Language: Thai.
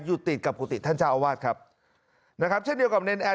ติดกับกุฏิท่านเจ้าอาวาสครับนะครับเช่นเดียวกับเนรนแอร์